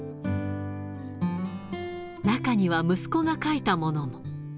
中には息子が書いたものも。